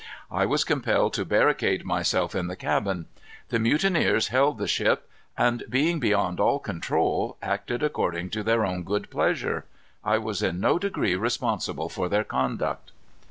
I was compelled to barricade myself in the cabin. The mutineers held the ship, and being beyond all control, acted according to their own good pleasure. I was in no degree responsible for their conduct."